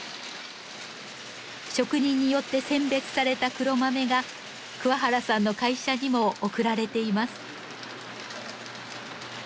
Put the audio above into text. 職人によって選別された黒豆が桑原さんの会社にも送られています。